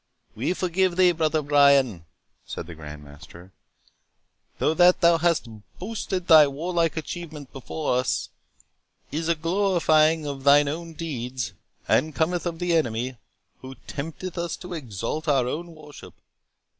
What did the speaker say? "We forgive thee, Brother Brian," said the Grand Master; "though that thou hast boasted thy warlike achievements before us, is a glorifying of thine own deeds, and cometh of the Enemy, who tempteth us to exalt our own worship.